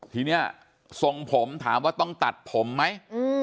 ทีนี้ทรงผมถามว่าต้องตัดผมไหม